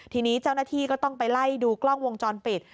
ทีนี้เจ้าหน้าที่ก็ต้องไปไล่ดูกล้องวงจรปิด